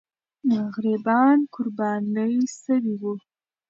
غریبان قرباني سوي وو.